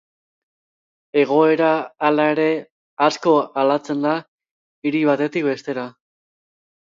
Egoera, hala ere, asko aldatzen da hiri batetik bestera.